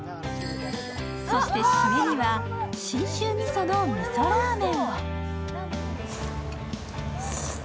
そして、締めには信州味噌の味噌ラーメン。